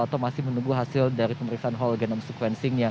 atau masih menunggu hasil dari pemeriksaan whole genome sequencing